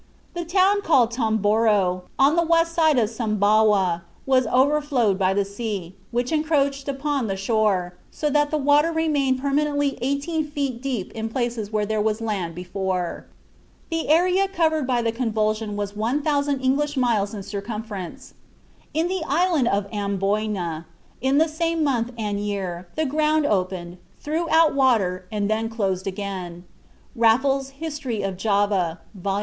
"The town called Tomboro, on the west side of Sumbawa, was overflowed by the sea, which encroached upon the shore, so that the water remained permanently eighteen feet deep in places where there was land before." The area covered by the convulsion was 1000 English miles in circumference. "In the island of Amboyna, in the same month and year, the ground opened, threw out water and then closed again." (Raffles's "History of Java," vol.